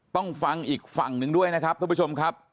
ต้องฟังอีกฝั่งหนึ่งด้วยนะครับท่านผู้ชมครับ